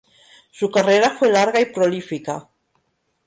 Su carrera fue larga y prolífica.